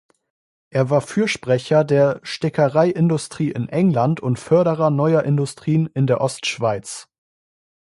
Er war Fürsprecher der Stickereiindustrie in England und Förderer neuer Industrien in der Ostschweiz.